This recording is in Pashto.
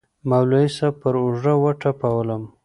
مولوي صاحب پر اوږه وټپولوم.